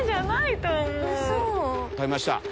食べました。